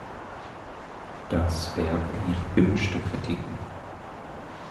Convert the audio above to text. Das Werk erhielt gemischte Kritiken.